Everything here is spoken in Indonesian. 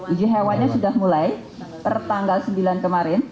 uji hewannya sudah mulai per tanggal sembilan kemarin